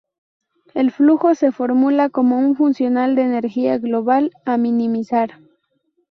El flujo se formula como un funcional de energía global a minimizar.